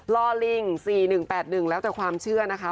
ลอลิง๔๑๘๑แล้วแต่ความเชื่อนะคะ